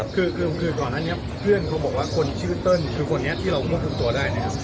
คือก่อนหน้านี้เพื่อนเขาบอกว่าคนชื่อเติ้ลคือคนนี้ที่เราควบคุมตัวได้นะครับ